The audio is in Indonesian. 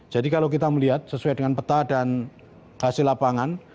jadi kalau kita melihat sesuai dengan peta dan hasil lapangan